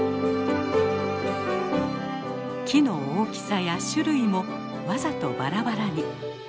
木の大きさや種類もわざとバラバラに。